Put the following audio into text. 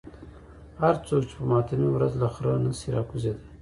هر څوک چې په ماتمي ورځ له خره نشي راکوزېدای.